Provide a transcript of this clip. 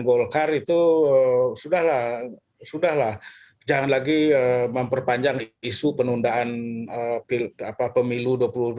golkar itu sudah lah sudah lah jangan lagi memperpanjang isu penundaan pemilu dua ribu dua puluh